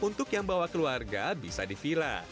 untuk yang bawa keluarga bisa di vila